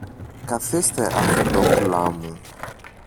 Καθίστε, αρχοντόπουλά μου.